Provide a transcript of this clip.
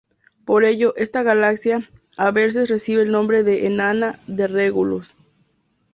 Por ello, esta galaxia a veces recibe el nombre de Enana de Regulus.